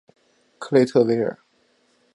克雷特维尔。